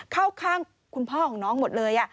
เข้าข้างคุณพ่อของน้องหมดเลย